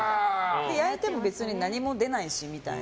焼いても別に何も出ないしみたいな。